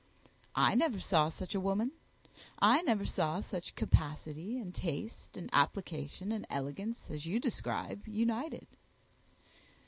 "I never saw such a woman. I never saw such capacity, and taste, and application, and elegance, as you describe, united."